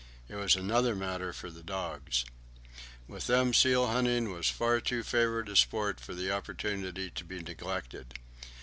It was another matter with the dogs. With them seal hunting was far too favourite a sport for the opportunity to be neglected.